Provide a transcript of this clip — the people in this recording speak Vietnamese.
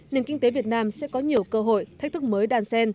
nền kinh tế việt nam sẽ có nhiều cơ hội thách thức mới đàn sen